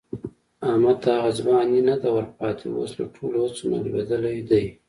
احمد ته هغه ځواني نه ده ورپاتې، اوس له ټولو هڅو نه لوېدلی دی.